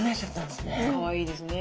かわいいですね。